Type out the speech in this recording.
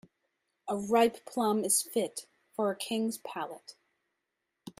A ripe plum is fit for a king's palate.